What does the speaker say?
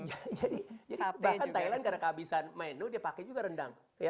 jadi bahkan thailand karena kehabisan menu dia pakai juga rendang